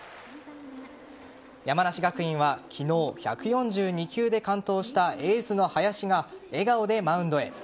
山梨学院は昨日、１４２球で完投したエースの林が笑顔でマウンドへ。